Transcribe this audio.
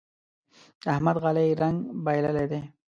د احمد غالۍ رنګ بايللی دی.